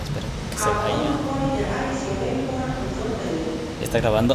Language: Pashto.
افغان لوبغاړي د هرې سیالۍ لپاره خپل ځان تیاروي.